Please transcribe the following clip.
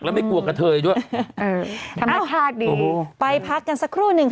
แล้วไม่กลัวกับเธอยังไงด้วยเออสัมภาษณ์ดีโอ้โหไปพักกันสักครู่หนึ่งค่ะ